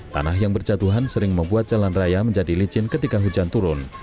tanah yang berjatuhan sering membuat jalan raya menjadi licin ketika hujan turun